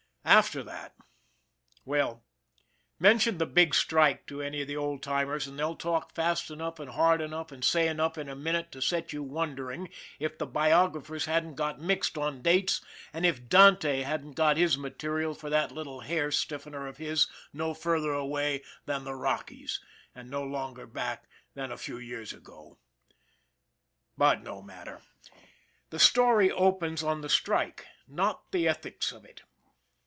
After that well, mention the Big Strike to any of the old timers and they'll talk fast enough and hard enough and say enough in a minute to set you wonder ing if the biographers hadn't got mixed on dates and if Dante hadn't got his material for that little hair stiff ener of his no further away than the Rockies, and no longer back than a few years ago. But no matter The story opens on the strike not the ethics of it.